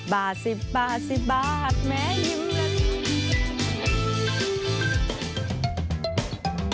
๑๐บาท๑๐บาท๑๐บาทแม่ยู